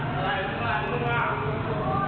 เมือง